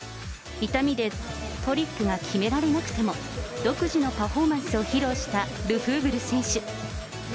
痛みでトリックが決められなくても、独自のパフォーマンスを披露したルフーブル選手。